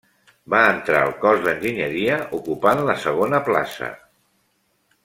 Va entrar al cos d'enginyeria ocupant la segona plaça.